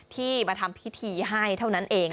ที่มาทำพิธีให้เท่านั้นเอง